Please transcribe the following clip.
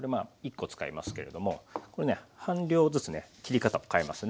１コ使いますけれどもこれね半量ずつね切り方を変えますね。